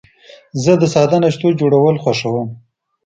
زه د ساده ناشتو جوړول خوښوم.